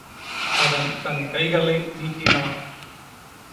அவன் தன் கைகளை நீட்டினான்.